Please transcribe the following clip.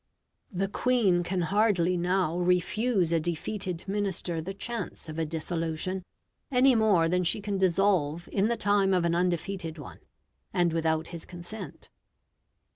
The Queen can hardly now refuse a defeated Minister the chance of a dissolution, any more than she can dissolve in the time of an undefeated one, and without his consent.